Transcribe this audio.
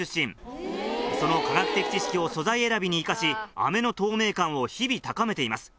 その化学的知識を素材選びに生かし飴の透明感を日々高めています。